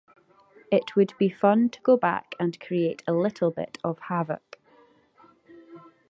It would be fun to go back and create a little bit of havoc!